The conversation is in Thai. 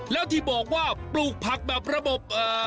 แล้วที่บอกว่าปลูกผักแบบระบบ